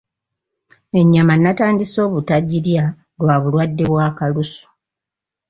Ennyama nnatandise obutagirya lwa bulwadde bwa Kalusu.